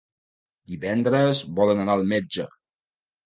Divendres volen anar al metge.